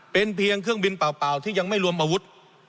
เป็นเพียงเครื่องบินเปล่าที่ยังไม่รวมอาวุธ